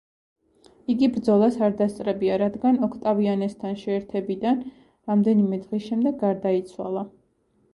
იგი ბრძოლას არ დასწრებია, რადგან ოქტავიანესთან შეერთებიდან რამდენიმე დღის შემდეგ გარდაიცვალა.